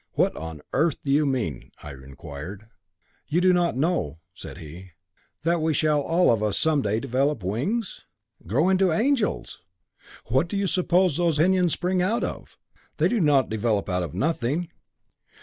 "What on earth do you mean?" I inquired. "Do you not know," said he, "that we shall all of us, some day, develop wings? Grow into angels! What do you suppose that ethereal pinions spring out of? They do not develop out of nothing.